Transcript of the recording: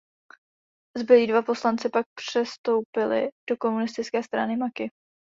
Zbylí dva poslanci pak přestoupili do komunistické strany Maki.